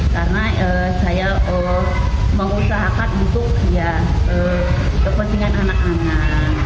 karena saya mengusahakan untuk kepentingan anak anak